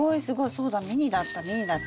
そうだミニだったミニだった。